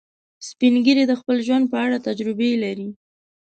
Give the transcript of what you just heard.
سپین ږیری د خپل ژوند په اړه تجربې لري